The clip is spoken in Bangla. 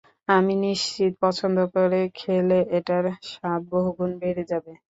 আমি নিশ্চিত, পছন্দ করে খেলে, এটার স্বাদ বহুগুণ বেড়ে যাবে।